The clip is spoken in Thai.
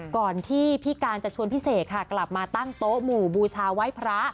ก่อนที่พี่การจะชวนพี่เสกค่ะกลับมาตั้งโต๊ะหมู่บูชาไว้พระ